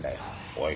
おい。